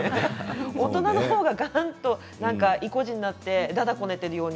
大人のほうがいこじになってだだをこねているように